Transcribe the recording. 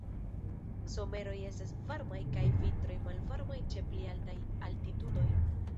Someroj estas varmaj kaj vintroj malvarmaj ĉe pli altaj altitudoj.